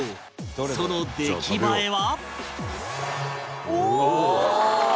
その出来栄えは？